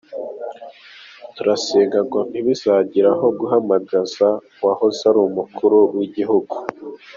Turasenga ngo ntibizagere aho guhamagaza uwahoze ari Umukuru w’Igihugu.